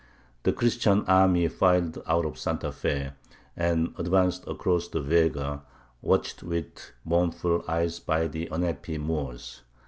The Christian army filed out of Santa Fé, and advanced across the Vega, watched with mournful eyes by the unhappy Moors.